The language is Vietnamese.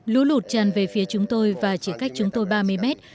lũ lụt tràn về phía chúng tôi và chỉ cách chúng tôi ba mươi mét